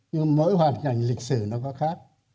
nhưng mỗi hoàn cảnh lịch sử nó có khác